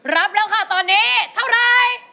รับแล้วค่ะตอนนี้เท่าไร